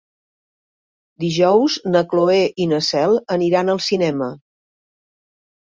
Dijous na Cloè i na Cel aniran al cinema.